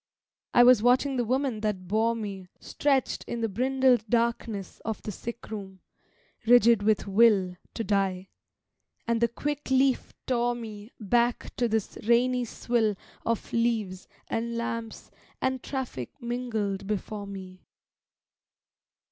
I was watching the woman that bore me Stretched in the brindled darkness Of the sick room, rigid with will To die: and the quick leaf tore me Back to this rainy swill Of leaves and lamps and traffic mingled before me.